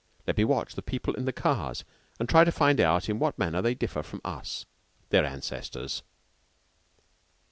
Let me watch the people in the cars and try to find out in what manner they differ from us, their ancestors.